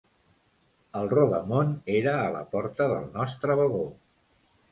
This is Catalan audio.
El rodamon era a la porta del nostre vagó.